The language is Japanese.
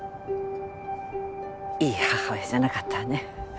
いい母親じゃなかったわね